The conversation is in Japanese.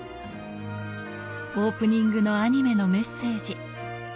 オープニングのアニメのメッセージ。